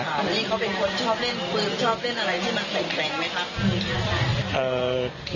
ตอนนี้เขาเป็นคนชอบเล่นปืนชอบเล่นอะไรที่มันแข็งไหมครับ